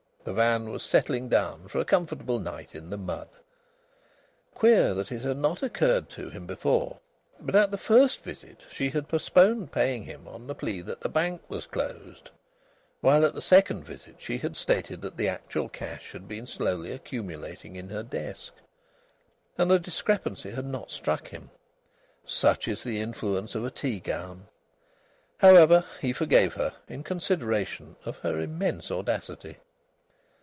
The van was settling down for a comfortable night in the mud. (Queer that it had not occurred to him before, but at the first visit she had postponed paying him on the plea that the bank was closed, while at the second visit she had stated that the actual cash had been slowly accumulating in her desk! And the discrepancy had not struck him. Such is the influence of a tea gown. However, he forgave her, in consideration of her immense audacity.)